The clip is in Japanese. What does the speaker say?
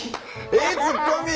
ええツッコミ！